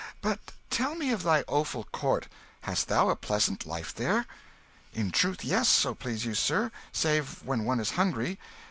But tell me of thy Offal Court. Hast thou a pleasant life there?" "In truth, yes, so please you, sir, save when one is hungry.